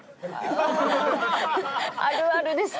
あるあるですか？